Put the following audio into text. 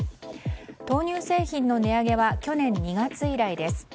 豆乳製品の値上げは去年２月以来です。